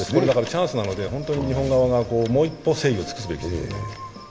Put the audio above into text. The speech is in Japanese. チャンスなので日本側がもう一歩誠意を見せるべきです。